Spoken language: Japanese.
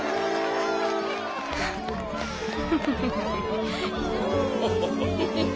フフフフフ。